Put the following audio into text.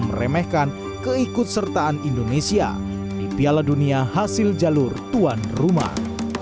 meremehkan keikut sertaan indonesia di piala dunia hasil jalur tuan rumah